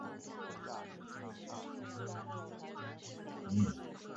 幼赫壳蛞蝓为壳蛞蝓科赫壳蛞蝓属的动物。